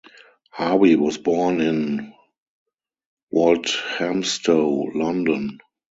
Harvey was born in Walthamstow, London.